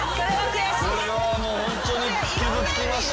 これはもうホントに傷つきました。